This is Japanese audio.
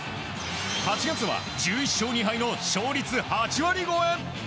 ８月は１１勝２敗の勝率８割超え。